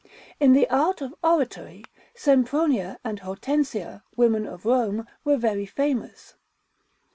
In the art of oratory, Sempronia and Hortensia, women of Rome, were very famous.